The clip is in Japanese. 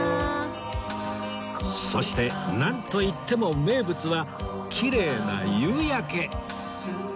そしてなんといっても名物はきれいな夕焼け